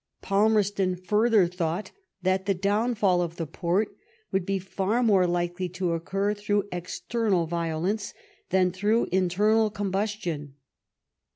Palmerston farther thought that the downfall of the Porte would be far more likely to occur through external violence than through internal combustion.